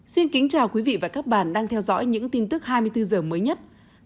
xin kính chào quý vị và các bạn đang theo dõi những tin tức hai mươi bốn h mới nhất